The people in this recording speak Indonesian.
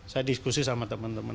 saya diskusi sama teman teman